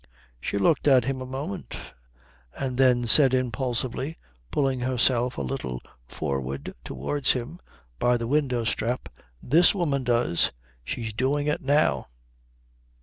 She looked at him a moment, and then said impulsively, pulling herself a little forward towards him by the window strap "This woman does. She's doing it now."